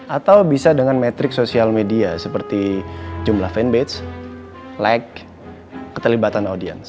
atau bisa dengan metrik sosial media seperti jumlah fanbaits lag ketelibatan audience